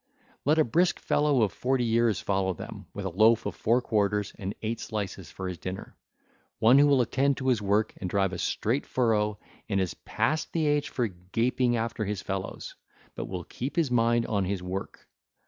Let a brisk fellow of forty years follow them, with a loaf of four quarters 1315 and eight slices 1316 for his dinner, one who will attend to his work and drive a straight furrow and is past the age for gaping after his fellows, but will keep his mind on his work.